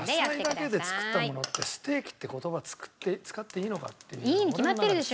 野菜だけで作ったものってステーキって言葉使っていいのかっていう俺の中でいつも思うんだよ。